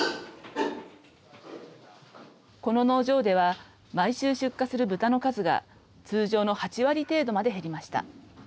この農場では毎週出荷する豚の数が通常の８割程度まで減りました。